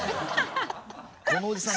このおじさん。